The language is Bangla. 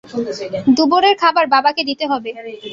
দুপুরের খাবার বাবাকে দিতে হবে।